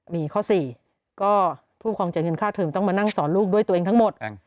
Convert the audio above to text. มีข้อ๔ก็ผู้ครองจ่ายเงินค่าเทิมต้องมานั่งสอนลูกด้วยตัวเองทั้งหมด